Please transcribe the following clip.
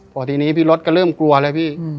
พอทีนี้พี่รถก็เริ่มกลัวเลยพี่